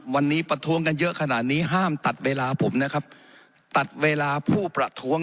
วันนี้ประท้วงกันเยอะขนาดนี้ห้ามตัดเวลาผมนะครับตัดเวลาผู้ประท้วง